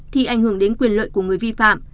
thì ảnh hưởng đến quyền lợi của người vi phạm